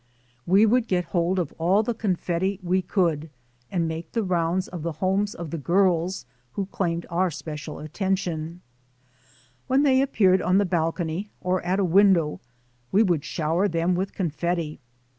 We would got hold of all the confetti we could and make the rounds of the homes of the girls who claimed our 40 THE SOUL OF AN IMMIGRANT special attention. When they appeared on the bal cony or at a window we would shower them with confetti.